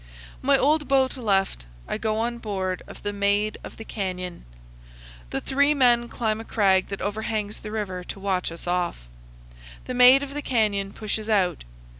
My old boat left, I go on board of the "Maid of the Canyon." The three men climb a crag that overhangs the river to watch us off. The "Maid of the Canyon" pushes out.